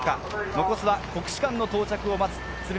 残すは国士舘の到着を待つ鶴見